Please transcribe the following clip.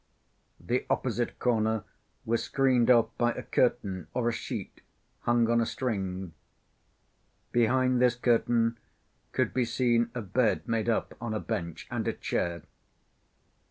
The opposite corner was screened off by a curtain or a sheet hung on a string. Behind this curtain could be seen a bed made up on a bench and a chair.